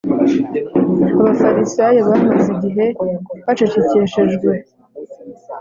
abafarisayo bamaze igihe bacecekeshejwe